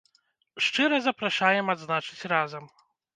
Шчыра запрашаем адзначыць разам.